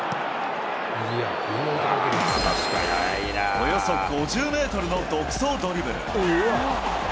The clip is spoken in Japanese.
およそ５０メートルの独走ドリブル。